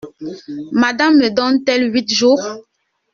Madame me donne-t-elle huit jours ?…